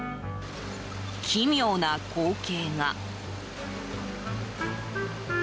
奇妙な光景が。